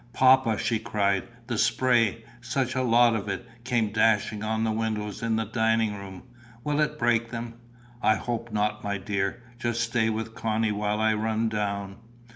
"Papa," she cried, "the spray such a lot of it came dashing on the windows in the dining room. Will it break them?" "I hope not, my dear. Just stay with Connie while I run down."